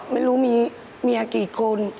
ไม่รู้มีเมียกี่คน